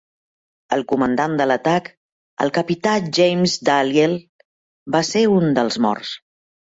El comandant de l'atac, el capità James Dalyell, va ser un dels morts.